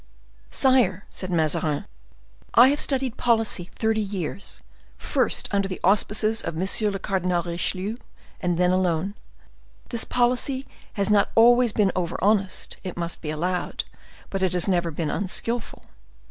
"Sire," said Mazarin, "I have studied policy thirty years; first, under the auspices of M. le Cardinal Richelieu; and then alone. This policy has not always been over honest, it must be allowed, but it has never been unskillful.